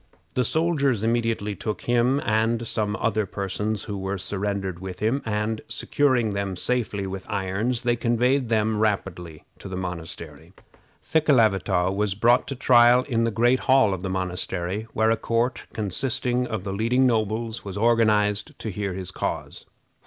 The soldiers immediately took him and some other persons who were surrendered with him, and, securing them safely with irons, they conveyed them rapidly to the monastery. Thekelavitaw was brought to trial in the great hall of the monastery, where a court, consisting of the leading nobles, was organized to hear his cause.